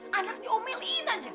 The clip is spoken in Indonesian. bapak anak diomelin aja